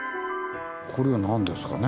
これは何ですかね？